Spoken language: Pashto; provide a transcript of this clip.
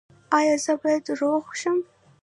ایا زه باید روغ شم؟